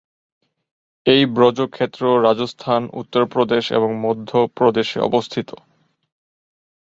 এই ব্রজ ক্ষেত্র রাজস্থান, উত্তরপ্রদেশ এবং মধ্য প্রদেশে অবস্থিত।